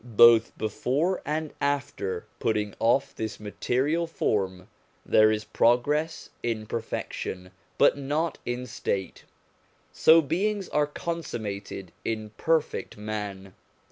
Both before and after putting off this material form, there is progress in perfection, but not in state. So beings are consummated in perfect man.